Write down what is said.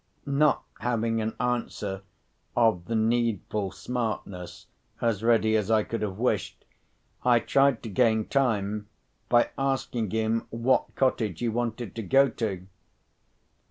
Not having an answer of the needful smartness as ready as I could have wished, I tried to gain time by asking him what cottage he wanted to go to.